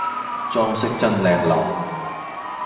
裝飾真靚溜